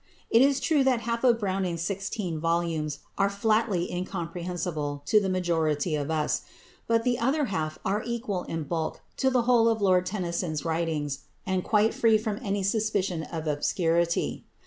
It is true that half of Browning's sixteen volumes are flatly incomprehensible to the majority of us; but the other half are equal in bulk to the whole of Lord Tennyson's writings, and quite free from any suspicion of obscurity.